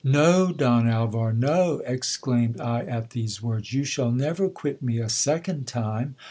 No, Don Alvar, no, exclaimed I at these words ; you shall never quit me a second time.